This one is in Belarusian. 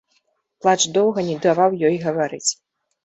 Плач доўга не даваў ёй гаварыць.